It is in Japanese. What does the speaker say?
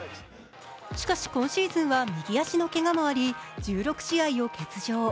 しかし、今シーズンは右足のけがもあり、１６試合を欠場。